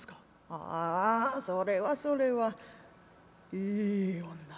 「ああそれはそれはいい女だ。